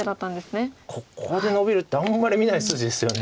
ここでのびるってあんまり見ない筋ですよね。